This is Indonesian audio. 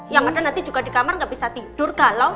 ya padahal nanti juga di kamar gak bisa tidur galau